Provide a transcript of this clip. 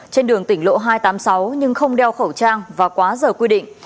trên đường tỉnh lộ hai trăm tám mươi sáu nhưng không đeo khẩu trang và quá giờ quy định